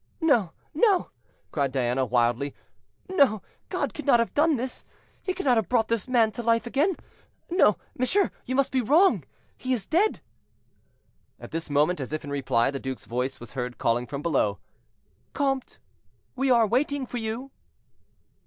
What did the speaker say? "No, no!" cried Diana, wildly, "no, God cannot have done this! He cannot have brought this man to life again; no, monsieur, you must be wrong, he is dead." At this moment, as if in reply, the duke's voice was heard calling from below: "Comte, we are waiting for you."